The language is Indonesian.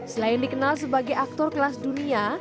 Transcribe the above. selain dikenal sebagai aktor kelas dunia